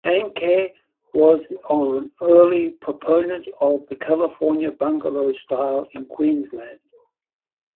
Haenke was an early proponent of the California bungalow style in Queensland.